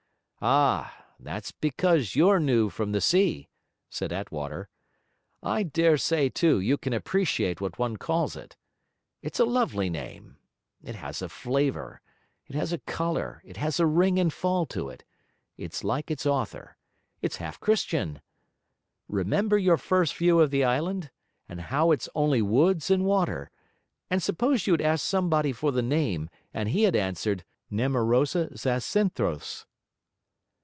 'Ah, that's because you're new from sea,' said Attwater. 'I dare say, too, you can appreciate what one calls it. It's a lovely name. It has a flavour, it has a colour, it has a ring and fall to it; it's like its author it's half Christian! Remember your first view of the island, and how it's only woods and water; and suppose you had asked somebody for the name, and he had answered nemorosa Zacynthos!'